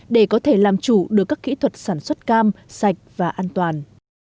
để có thể làm chủ được các kỹ thuật sản xuất cam sạch và an toàn